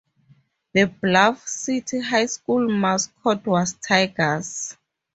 The Bluff City High School mascot was Tigers.